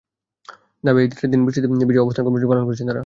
দাবি আদায়ে ঈদের দিন বৃষ্টিতে ভিজেই অবস্থান কর্মসূচি পালন করছেন তাঁরা।